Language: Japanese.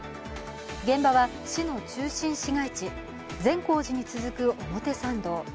現場は市の中心市街地・善光寺に続く表参道。